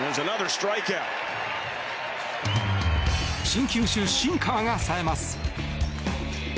新球種シンカーが冴えます。